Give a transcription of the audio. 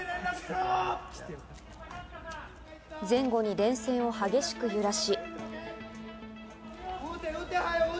前後に電線を激しく揺らし。